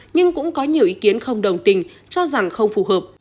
nhưng cũng có nhiều ý kiến không đồng tình cho rằng không phù hợp